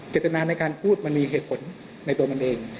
เจตนาในการพูดมันมีเหตุผลในตัวมันเอง